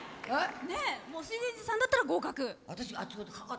水前寺さんだったら合格。